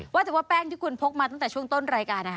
ว่าแต่ว่าแป้งที่คุณพกมาตั้งแต่ช่วงต้นรายการนะคะ